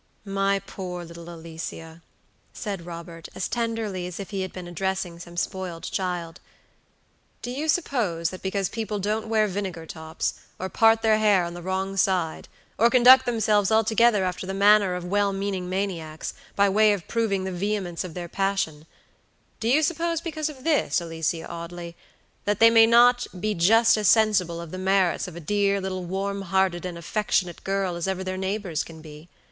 "My poor little Alicia," said Robert, as tenderly as if he had been addressing some spoiled child, "do you suppose that because people don't wear vinegar tops, or part their hair on the wrong side, or conduct themselves altogether after the manner of well meaning maniacs, by way of proving the vehemence of their passiondo you suppose because of this, Alicia Audley, that they may not be just as sensible of the merits of a dear little warm hearted and affectionate girl as ever their neighbors can be?